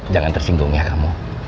jangan tersinggung ya kamu